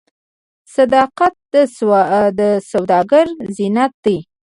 صداقت د سوداګر زینت دی.